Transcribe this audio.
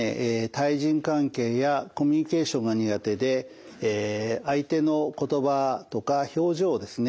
対人関係やコミュニケーションが苦手で相手の言葉とか表情をですね